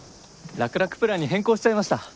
楽々プランに変更しちゃいました。